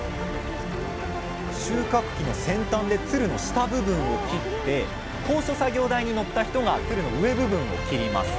収穫機の先端でつるの下部分を切って高所作業台に乗った人がつるの上部分を切ります。